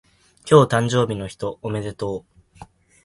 今日誕生日の人おめでとう